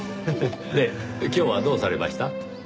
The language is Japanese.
で今日はどうされました？